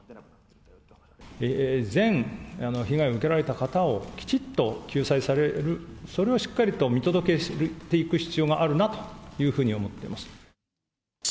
全被害を受けられた方をきちっと救済される、それはしっかりと見届けていく必要があるなというふうに思ってます。